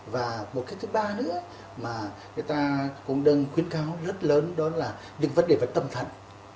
và một cái thứ ba nữa mà người ta cũng đang khuyến cáo rất lớn đó là những vấn đề về tâm thần